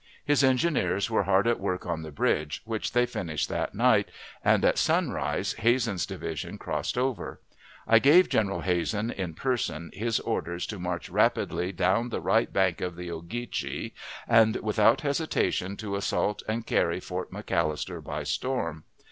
His engineers were hard at work on the bridge, which they finished that night, and at sunrise Hazen's division passed over. I gave General Hazen, in person, his orders to march rapidly down the right bank of the Ogeechee, and without hesitation to assault and carry Fort McAllister by storm.